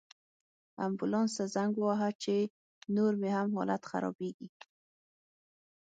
امبولانس ته زنګ ووهه، چې نور مې هم حالت خرابیږي